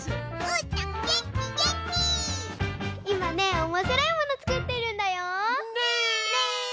いまねおもしろいものつくってるんだよ。ね！